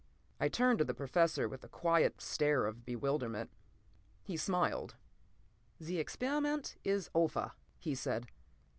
p> I turned to the Professor with a quiet stare of bewilderment. He smiled. "The experiment is over," he said.